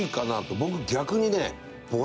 僕逆にね。